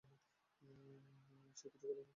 সে কিছুই করেনি।